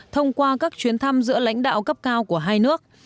thông qua các chuyến thăm giữa lãnh đạo cấp cao của hai nước